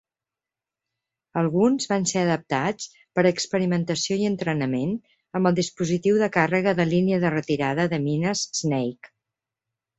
Alguns van ser adaptats per a experimentació i entrenament amb el dispositiu de càrrega de línia de retirada de mines "Snake".